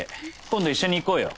今度一緒に行こうよ。